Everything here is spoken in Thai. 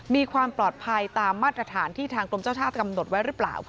มีความปลอดภัยตามมาตรฐานที่ทางกรมเจ้าท่ากำหนดไว้หรือเปล่า